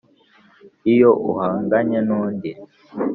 iyo uhanganye n’undi